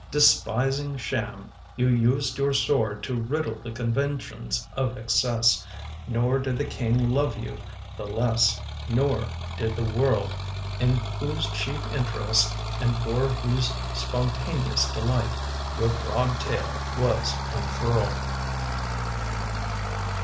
Despising sham, you used your sword To riddle the conventions of excess; Nor did the king love you the less Nor did the world In whose chief interest and for whose spon taneous delight, your broad tail was un furled.